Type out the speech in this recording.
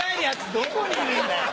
どこにいるんだよ！